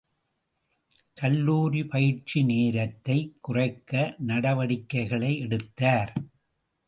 கல்லூரி பயிற்சி நேரத்தைக் குறைக்க நடவடிக்கைகளை எடுத்தார்.